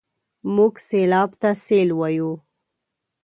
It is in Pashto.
موږ سېلاب ته سېل وايو.